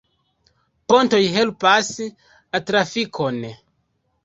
Pontoj helpas la trafikon.